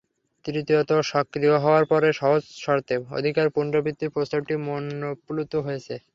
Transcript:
তৃতীয়ত, সক্রিয় হওয়ার পরে সহজ শর্তে অধিকার পুনঃপ্রাপ্তির প্রস্তাবটি মনঃপ্লুত হয়েছে।